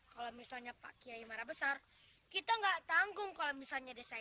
kalau misalnya pak kiai marah besar kita nggak tanggung kalau misalnya desain